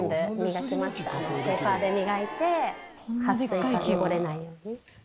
ペーパーで磨いて撥水汚れないように。